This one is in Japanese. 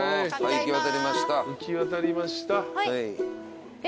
行き渡りました。